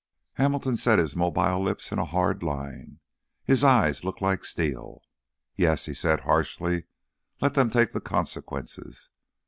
Hamilton set his mobile lips in a hard line. His eyes looked like steel. "Yes," he said harshly, "let them take the consequences.